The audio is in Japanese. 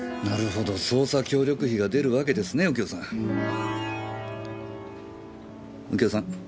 なるほど捜査協力費が出るわけですね右京さん。